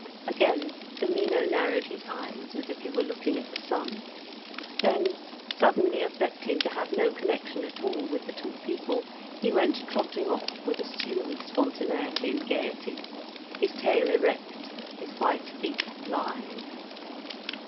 Again the Mino narrowed his eyes as if he were looking at the sun. Then, suddenly affecting to have no connection at all with the two people, he went trotting off, with assumed spontaneity and gaiety, his tail erect, his white feet blithe.